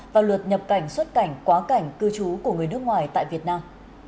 và luật nhập cảnh xuất cảnh quá cảnh cư trú của người nước ngoài tại việt nam